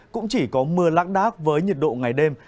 cũng chỉ có mưa lác đác với nhiệt độ ngày đêm